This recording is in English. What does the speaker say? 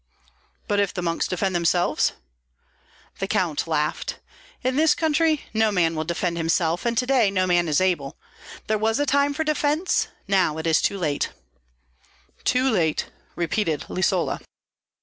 "But if the monks defend themselves?" The count laughed. "In this country no man will defend himself, and to day no man is able. There was a time for defence, now it is too late." "Too late," repeated Lisola.